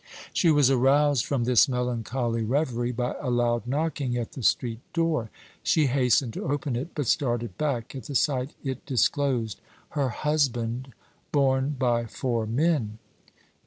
She was aroused from this melancholy revery by a loud knocking at the street door. She hastened to open it, but started back at the sight it disclosed her husband borne by four men.